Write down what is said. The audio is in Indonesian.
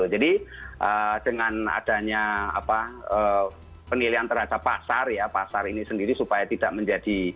jadi dengan adanya penilaian terhadap pasar pasar ini sendiri supaya tidak menjadi